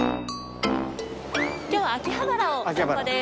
今日は秋葉原をお散歩です。